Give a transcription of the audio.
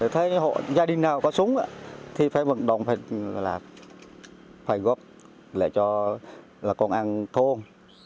thế gia đình nào có súng thì phải vận động phải góp lại cho công an thôn